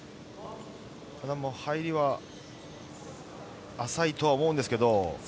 ただ入りは浅いとは思うんですけど。